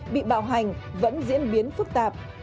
bị bảo hành vẫn diễn biến phức tạp